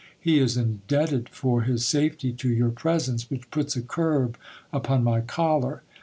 He is indebted for his safety to your presence, which puts a curb upon my choler.